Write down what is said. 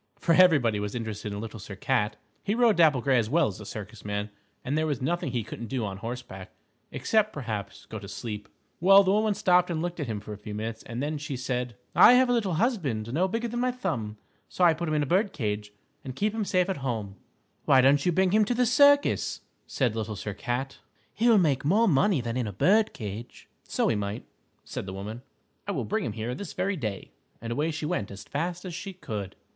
For everybody was interested in Little Sir Cat. He rode Dapple Gray as well as a circus man, and there was nothing he couldn't do on horseback, except, perhaps, go to sleep. Well, the woman stopped and looked at him for a few minutes, and then she said: "I have a little husband No bigger than my thumb, So I put him in a bird cage And keep him safe at home." [Illustration: MOTHER HUBBARD FINDS LITTLE SIR CAT AT HOME] "Why don't you bring him to the circus?" said Little Sir Cat. "He'll make more money than in a bird cage." "So he might," said the woman. "I will bring him here this very day," and away she went as fast as she could.